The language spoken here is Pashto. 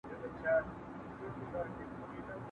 ¬ زه د ابۍ مزدوره، ابۍ د کلي.